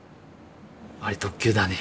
あれ特急だね。